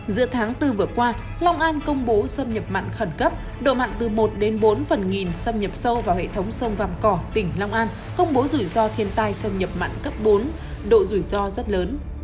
giữa tháng bốn vừa qua long an công bố xâm nhập mặn khẩn cấp độ mặn từ một đến bốn phần nghìn xâm nhập sâu vào hệ thống sông vàm cỏ tỉnh long an công bố rủi ro thiên tai xâm nhập mặn cấp bốn độ rủi ro rất lớn